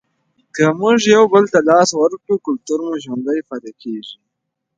که موږ یو بل ته لاس ورکړو کلتور مو ژوندی پاتې کیږي.